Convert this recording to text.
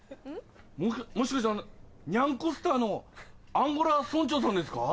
もしかしてにゃんこスターのアンゴラ村長さんですか？